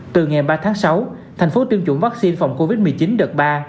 từ ngày ba tháng sáu thành phố tiêm chủng vắc xin phòng covid một mươi chín đợt ba